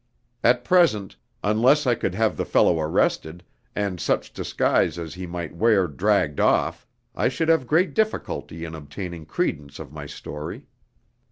At present, unless I could have the fellow arrested, and such disguise as he might wear dragged off, I should have great difficulty in obtaining credence of my story.